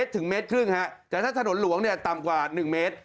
แต่ถ้าถนนหลวงต่ำกว่า๑เมตร